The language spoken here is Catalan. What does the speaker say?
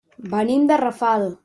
Venim de Rafal.